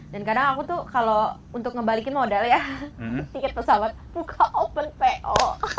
dan kadang aku tuh kalo untuk ngebalikin modal ya tiket pesawat buka open po